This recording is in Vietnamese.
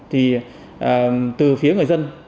thì từ phía người dân